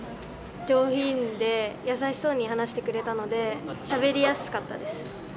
上品で、やさしそうに話してくれたので、しゃべりやすかったです。